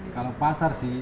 kalau pasar sih